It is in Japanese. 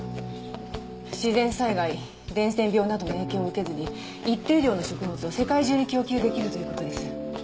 自然災害伝染病などの影響を受けずに一定量の食物を世界中に供給できるという事です。